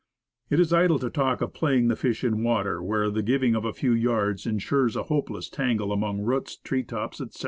It is idle to talk of playing the fish in water where the giving of a few yards insures a hopeless tangle among roots, tree tops, etc.